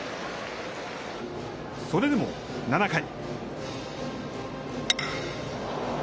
それでも７回。